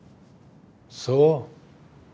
そう。